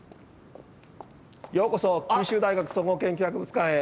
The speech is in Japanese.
ようこそ九州大学総合研究博物館へ！